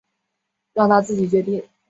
让他自己决定